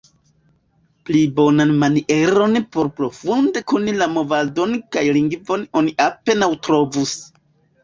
Pli bonan manieron por profunde koni la movadon kaj lingvon oni apenaŭ trovus.